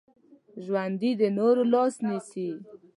ژوندي د نورو لاس نیسي